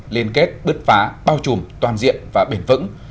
liên kết bứt phá bao trùm toàn diện và bền vững